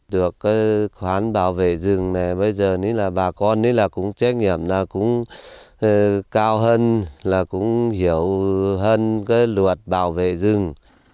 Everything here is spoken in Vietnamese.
được khoán bảo vệ rừng này bà con cũng trách nhiệm cũng cao hơn cũng hiểu hơn luật bảo vệ rừng